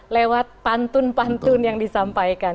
lewat pantun pantun yang disampaikan